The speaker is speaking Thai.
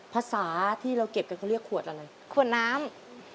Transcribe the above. ภาษาที่เราเก็บกันเขาเรียกขวดอะไรขวดน้ำ